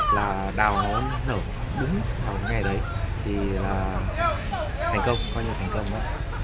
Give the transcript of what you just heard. là đào nó nở đúng vào cái ngày đấy thì là thành công coi như thành công